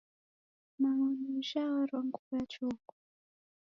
Mao ni ujha warwa nguw'o ya chokwa.